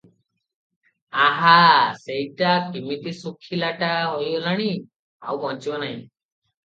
ଆହା! ସେଇଟା କିମିତି ଶୁଖିଲାଟା ହୋଇଗଲାଣି, ଆଉ ବଞ୍ଚିବ ନାହିଁ ।